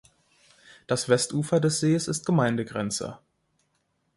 Das Westufer des Sees ist Gemeindegrenze.